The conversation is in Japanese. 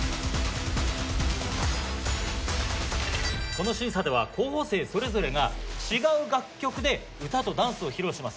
この審査では候補生それぞれが違う楽曲で歌とダンスを披露します。